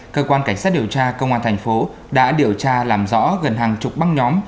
cơ quan cảnh sát điều tra công an thành phố đã điều tra làm rõ gần hàng chục băng nhóm